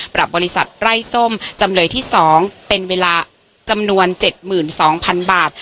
ปรับบริษัทไร้ส้มจำเลยที่สองเป็นเวลาจำนวนเจ็ดหมื่นสองพันบาท